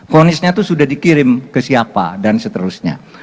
fonisnya itu sudah dikirim ke siapa dan seterusnya